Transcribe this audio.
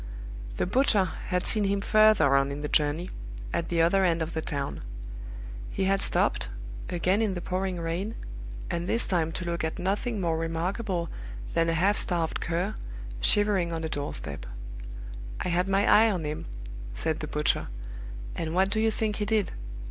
The butcher had seen him further on in the journey, at the other end of the town. He had stopped again in the pouring rain and this time to look at nothing more remarkable than a half starved cur, shivering on a doorstep. "I had my eye on him," said the butcher; "and what do you think he did?